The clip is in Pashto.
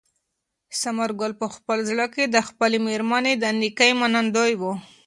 ثمر ګل په خپل زړه کې د خپلې مېرمنې د نېکۍ منندوی و.